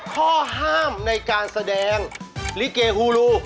ข้อห้ามในการแสดงลิเกฮูรู